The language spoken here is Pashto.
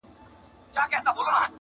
بس د رڼا په تمه ژوند کوي رڼا نه لري،